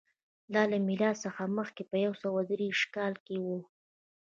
دا له میلاد څخه مخکې په یو سوه درې دېرش کال کې و